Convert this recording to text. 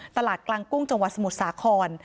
ตลาดกลางกุ้งจังหวัดสมุทรสาคร